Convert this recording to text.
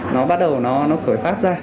nó bắt đầu nó cởi phát ra